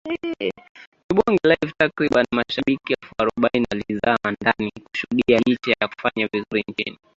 Tubonge Live takribani washabiki elfu arobaini walizama ndani kushuhudia Licha ya kufanya vizuri nchini